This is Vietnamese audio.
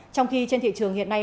trong khi trên thị trường hiện nay